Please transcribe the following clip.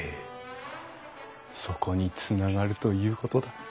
そこにつながるということだ。